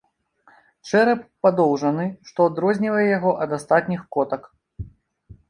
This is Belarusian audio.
Чэрап падоўжаны, што адрознівае яго ад астатніх котак.